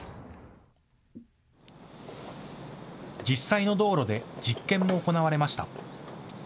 実際の道路で実験も行われました。